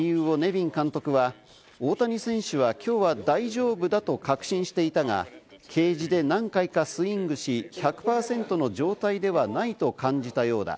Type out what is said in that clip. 外れた理由をネビン監督は大谷選手は、きょうは大丈夫だと確信していたが、ケージで何回かスイングし、１００％の状態ではないと感じたようだ。